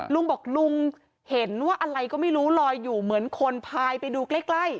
ลุงบอกลุงเห็นว่าอะไรก็ไม่รู้ลอยอยู่เหมือนคนพายไปดูใกล้ใกล้